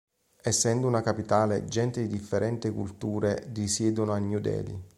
Essendo una capitale, gente di differenti culture risiedono a New Delhi.